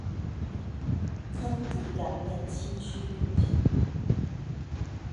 坑底表面崎岖不平。